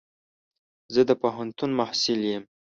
زه د پوهنتون محصل يم.